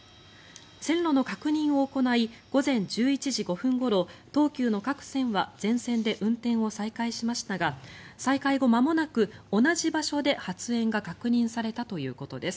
線路の確認を行い午前１１時５分ごろ東急の各線は全線で運転を再開しましたが再開後まもなく、同じ場所で発煙が確認されたということです。